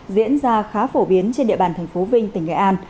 diễn ra khá phổ biến trên địa bàn tp vinh tỉnh nghệ an